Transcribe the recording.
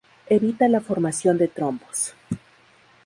Evita la formación de trombos.